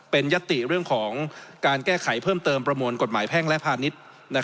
เป็นเรื่องยติของการแก้ไขเพิ่มเติมประโมนกฎหมายแพ่งและภาคนิต